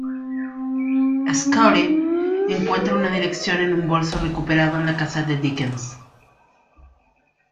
Scully encuentra una dirección en un bolso recuperado de la casa de Dickens.